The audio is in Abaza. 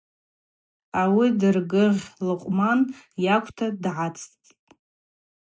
Ауи Дыргъыгъ Льакъвман йакӏвта дгӏацӏцӏтӏ.